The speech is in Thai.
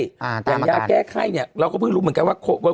อย่างยาแก้ไข้เนี่ยเราก็เพิ่งรู้เหมือนกันว่า